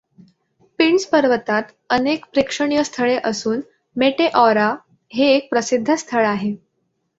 पिंड्स पर्वतात अनेक प्रेक्षणीय स्थळे असून मेटेऑरा हे एक प्रसिद्ध स्थळ आहे.